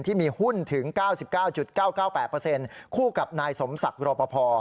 ที่มีหุ้นถึง๙๙๙๙๙๘คู่กับนายสมศักดิ์รอปภ